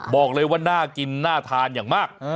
บอกเลยว่าน่ากินน่าทานอย่างมาก